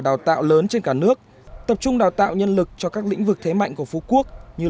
đào tạo lớn trên cả nước tập trung đào tạo nhân lực cho các lĩnh vực thế mạnh của phú quốc như